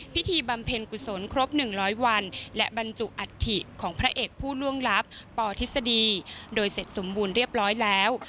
บำเพ็ญกุศลครบ๑๐๐วันและบรรจุอัฐิของพระเอกผู้ล่วงลับปทฤษฎีโดยเสร็จสมบูรณ์เรียบร้อยแล้ว